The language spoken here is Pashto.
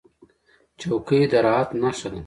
چوکۍ د راحت نښه ده.